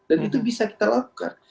dan itu bisa kita lakukan